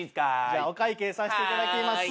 じゃあお会計させていただきます。